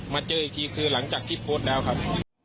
เจออีกทีคือหลังจากที่โพสต์แล้วครับ